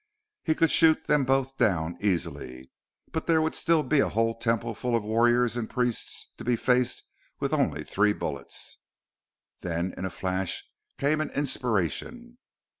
He could shoot them both down, easily, but there would still be a whole Temple full of warriors and priests to be faced with only three bullets! Then, in a flash, came an inspiration.